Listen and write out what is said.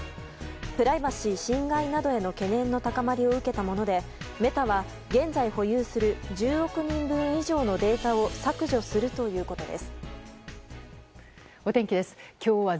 プライバシー侵害などへの懸念を受けたものでメタは現在保有する１０億人以上のデータを削除するということです。